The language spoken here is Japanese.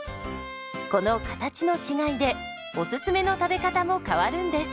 この形の違いでおすすめの食べ方も変わるんです。